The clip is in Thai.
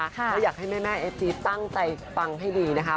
เพราะอยากให้แม่เอฟซีตั้งใจฟังให้ดีนะคะ